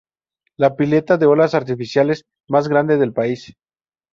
La pileta de olas artificiales más grande del país.